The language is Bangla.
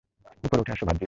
উপরে উঠে আসো, ভার্জিল।